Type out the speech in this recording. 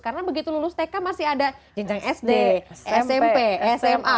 karena begitu lulus tk masih ada jenjang sd smp sma